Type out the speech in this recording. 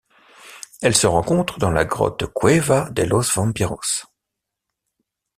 Elle se rencontre dans la grotte Cueva de los Vampiros.